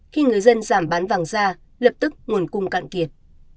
khi người dân giảm bán vàng ra lập tức nguồn cung cạn kiệt